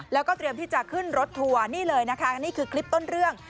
แล้วก็เตรียมที่จะขึ้นรถทัวร์นี่เลยนะคะนี่คือคลิปต้นเรื่อง